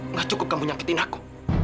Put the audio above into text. nggak cukup kamu nyakitin aku